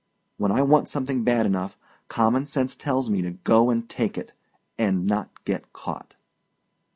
When I want something bad enough, common sense tells me to go and take it and not get caught.